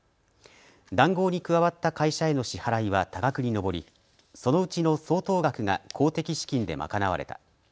談合に加わった会社への支払いは多額に上り、そのうちの相当額が公的資金で賄われた。